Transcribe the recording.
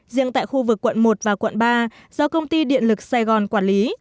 riêng tại khu vực quận một và quận ba do công ty điện lực sài gòn quản lý